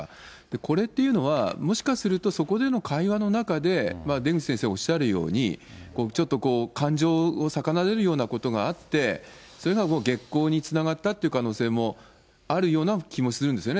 これっていうのは、もしかするとそこでの会話の中で、出口先生おっしゃるように、ちょっとこう、感情を逆なでるようなことがあって、それが激高につながったっていう可能性もあるような気もするんですよね。